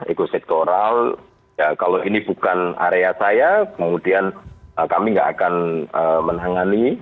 ekosektoral kalau ini bukan area saya kemudian kami nggak akan menangani